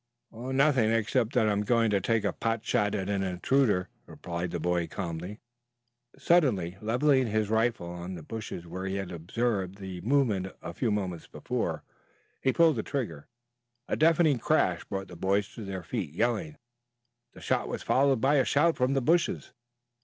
"Nothing, except that I am going to take a pot shot at an intruder," replied the boy calmly, suddenly leveling his rifle on the bushes where he had observed the movement a few moments before. He pulled the trigger. A deafening crash brought the boys to their feet, yelling. The shot was followed by a shout from the bushes.